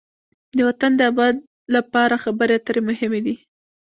د وطن د آباد لپاره خبرې اترې مهمې دي.